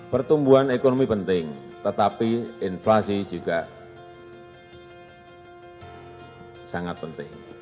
pertumbuhan ekonomi penting tetapi inflasi juga sangat penting